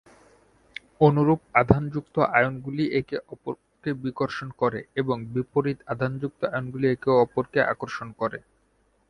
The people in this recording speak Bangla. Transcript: অনুরূপ আধানযুক্ত আয়নগুলি একে অপরকে বিকর্ষণ করে এবং বিপরীত আধানযুক্ত আয়নগুলি একে অপরকে আকর্ষণ করে।